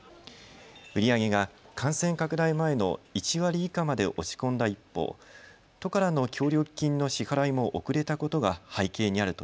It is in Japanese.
売り上げが感染拡大前の１割以下まで落ち込んだ一方、都からの協力金の支払いも遅れたことが背景にあると